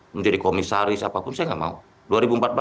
menjadi komisaris apapun saya nggak mau